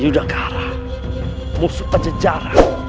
sudah kira musuh terjejar